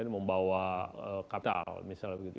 membawa kapital misalnya begitu